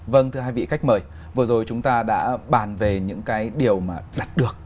vâng thưa hai vị khách mời vừa rồi chúng ta đã bàn về những cái điều mà đặt được